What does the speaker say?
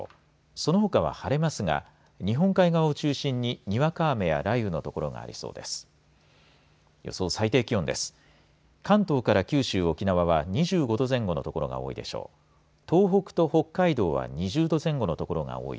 そのほかは晴れますが日本海側を中心に、にわか雨や雷雨の所がありそうです。